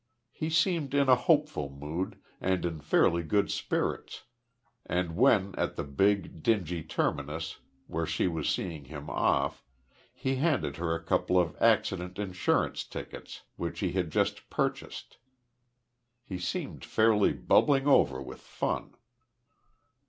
He seemed in a hopeful mood, and in fairly good spirits, and when at the big, dingy terminus, where she was seeing him off, he handed her a couple of accident insurance tickets, which he had just purchased; he seemed fairly bubbling over with fun.